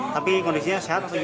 tapi kondisinya sehat